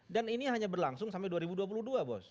dan ini hanya berlangsung sampai dua ribu dua puluh dua bos